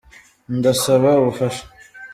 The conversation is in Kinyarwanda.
Ndasba ubufasha